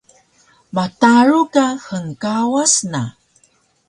Mataru ka hngkawas na